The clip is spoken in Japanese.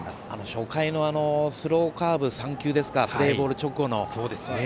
初回のスローカーブ３球ですかプレーボール直後の。